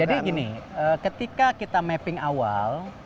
jadi gini ketika kita mapping awal